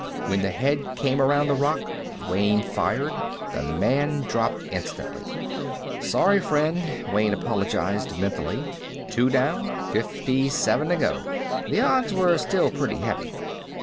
When the head came around the rock, Wayne fired. The man dropped instantly. Sorry, friend, Wayne apologized mentally. Two down. Fifty seven to go. The odds were still pretty heavy.